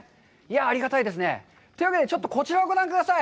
ありがたいですね。というわけで、ちょっとこちらをご覧ください。